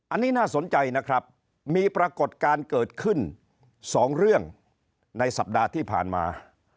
อันนี้น่าสนใจนะครับมีปรากฏการณ์เกิดขึ้น๒เรื่องในสัปดาห์ที่ผ่านมา